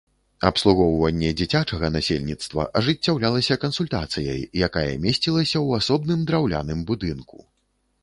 Абслугоўванне дзіцячага насельніцтва ажыццяўлялася кансультацыяй, якая месцілася ў асобным драўляным будынку.